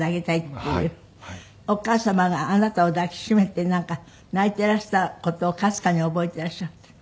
お母様があなたを抱きしめてなんか泣いていらした事をかすかに覚えていらっしゃるって。